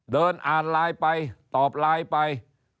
เดินอ่านไลน์ไปตอบไลน์ไป